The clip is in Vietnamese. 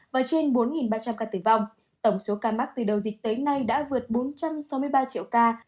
và trên bốn ba trăm linh ca tử vong tổng số ca mắc từ đầu dịch tới nay đã vượt bốn trăm sáu mươi ba triệu ca